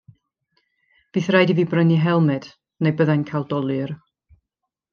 Bydd rhaid i fi brynu helmed neu bydda i'n cael dolur.